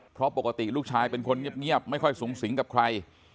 เพราะปกติลูกชายเป็นคนเงียบไม่ค่อยสูงสิงกับใคร